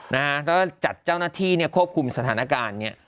นะฮะก็จัดเจ้าหน้าที่เนี่ยควบคุมสถานการณ์เนี่ย